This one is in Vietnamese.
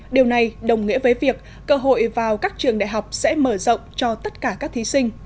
điều này đồng nghĩa với việc cơ hội vào các trường đại học sẽ mở rộng cho tất cả các thí sinh